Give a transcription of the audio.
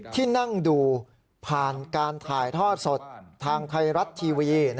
ที่นั่งดูผ่านการถ่ายทอดสดทางไทยรัฐทีวี